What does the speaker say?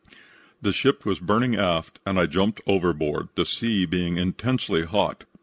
"The ship was burning aft, and I jumped overboard, the sea being intensely hot.